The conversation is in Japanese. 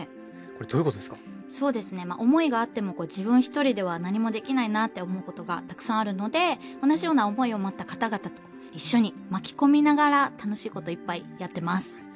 そうですね思いがあっても自分一人では何もできないなって思うことがたくさんあるので同じような思いを持った方々と一緒に巻きこみながら楽しいこといっぱいやってます。